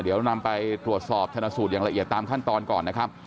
เดี๋ยวนำไปตรวจสอบชนะสูตรอย่างละเอียดตามขั้นตอนก่อนนะครับ